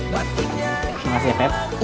makasih ya peblis